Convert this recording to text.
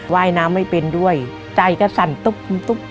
ว่ายน้ำไม่เป็นด้วยใจก็สั่นตุ๊บตุ๊บ